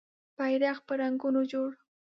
بېرغ په رنګونو جوړ